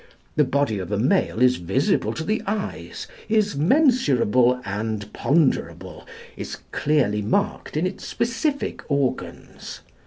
The body of a male is visible to the eyes, is mensurable and ponderable, is clearly marked in its specific organs.